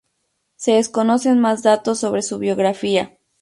Se desconocen más datos sobre su biografía.